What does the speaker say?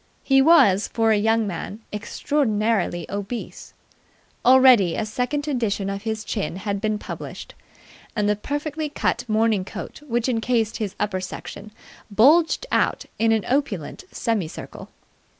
He was, for a young man, extraordinarily obese. Already a second edition of his chin had been published, and the perfectly cut morning coat which encased his upper section bulged out in an opulent semi circle.